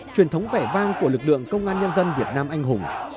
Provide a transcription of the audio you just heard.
truyền thống vẻ vang của lực lượng công an nhân dân việt nam anh hùng